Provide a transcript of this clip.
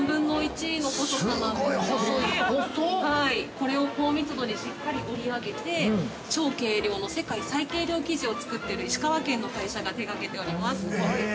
◆これを高密度にしっかり織り上げて超軽量の、世界最軽量生地を作っている石川県の会社が手がけております。